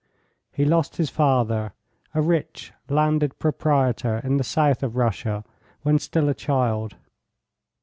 He lost his father, a rich landed proprietor in the south of Russia, when still a child.